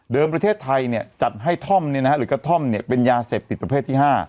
ประเทศไทยจัดให้ท่อมหรือกระท่อมเป็นยาเสพติดประเภทที่๕